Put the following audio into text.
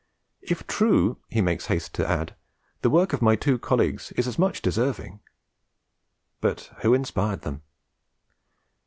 'If true,' he makes haste to add, 'the work of my two colleagues is as much deserving.' But who inspired them?